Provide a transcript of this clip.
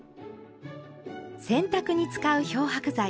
洗濯に使う漂白剤